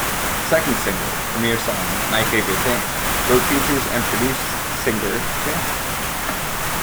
Second single, Premiere Song "My Favorite Thing" wrote, features and produced singer, Kem.